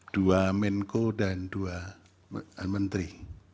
dua menko dan dua menteri